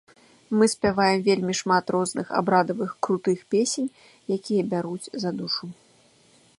Мы спяваем вельмі шмат розных абрадавых крутых песень, якія бяруць за душу.